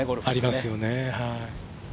ありますね。